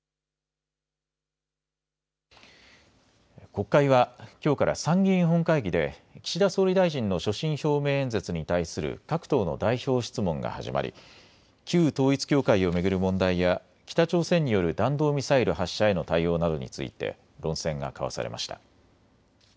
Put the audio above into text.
国会はきょうから参議院本会議で岸田総理大臣の所信表明演説に対する各党の代表質問が始まり旧統一教会を巡る問題や北朝鮮による弾道ミサイル発射への対応などについて論戦が交わされました。